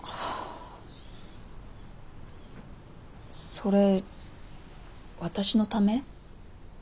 それ私のため？